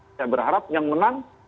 saya berharap yang menang